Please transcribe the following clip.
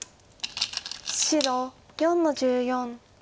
白４の十四。